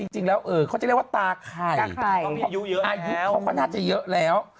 จริงแล้วเขาจะเรียกว่าตาไข่อายุเขาก็น่าจะเยอะแล้ว